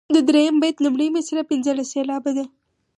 د دریم بیت لومړۍ مصرع پنځلس سېلابه ده.